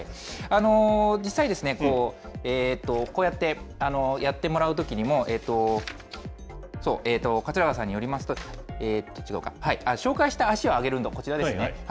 実際、こうやって、やってもらうときにも、桂川さんによりますと、紹介した脚を上げる運動、こちらですね。